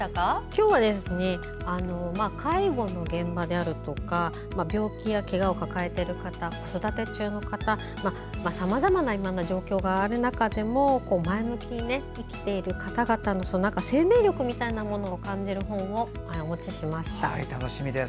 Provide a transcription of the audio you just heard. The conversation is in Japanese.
今日は介護の現場であるとか病気や、けがを抱えている方子育て中の方さまざまな現状がある中で前向きに生きている方々の生命力みたいなものを感じる本をお持ちしました。